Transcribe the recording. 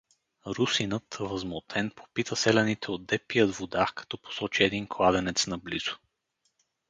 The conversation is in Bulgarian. Русинът, възмутен, попита селяните отде пият вода, като посочи един кладенец наблизо.